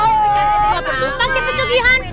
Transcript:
gak perlu pakai pesugihan